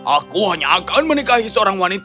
aku hanya akan menikahi seorang wanita